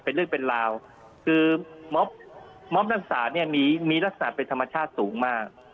เป็นเรื่องเป็นราวคือมอบรักษาเนี่ยมีลักษณะเป็นธรรมชาติสูงมาก